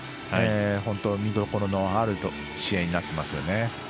本当に見どころのある試合になっていますよね。